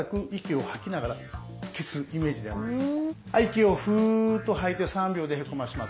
はい息をふっと吐いて３秒でへこませます。